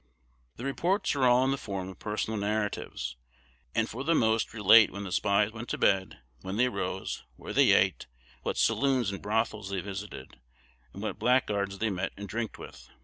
The reports are all in the form of personal narratives, and for the most relate when the spies went to bed, when they rose, where they ate, what saloons and brothels they visited, and what blackguards they met and "drinked" with.